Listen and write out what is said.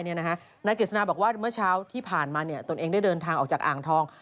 นายกฤษณาบอกว่าเมื่อเช้าที่ผ่านมาตนเองได้เดินทางออกจากอ่างทอง